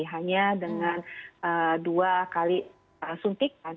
hanya dengan dua kali suntikan